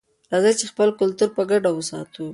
راځئ چې خپل کلتور په ګډه وساتو.